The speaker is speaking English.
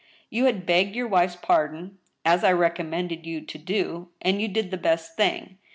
You had begged your wife's pardon, as I recommended you to do— and you did the best thing.